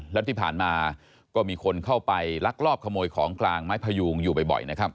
แล้วที่ผ่านมาก็มีคนเข้าไปลักลอบขโมยของกลางไม้พยูงอยู่บ่อยนะครับ